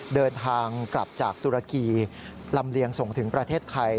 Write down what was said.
เดินทางกลับจากตุรกีลำเลียงส่งถึงประเทศไทย